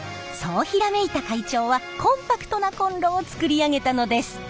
そうひらめいた会長はコンパクトなコンロを作り上げたのです。